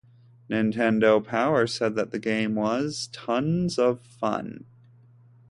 "Nintendo Power" said that the game was "tons of fun".